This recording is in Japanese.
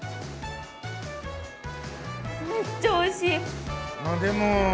めっちゃおいしい。